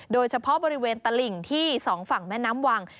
โดยเฉพาะบริเวณตลิ่งที่๒ฝั่งแม่น้ำวัง